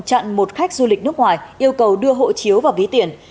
chặn một khách du lịch nước ngoài yêu cầu đưa hộ chiếu và ví tiền